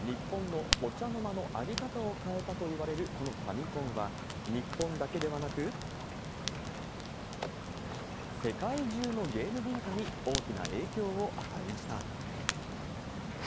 日本のお茶の間の在り方を変えたといわれるこのファミコンは、日本だけではなく、世界中のゲーム文化に大きな影響を与えました。